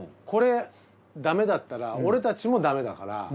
これダメだったら俺たちもダメだから。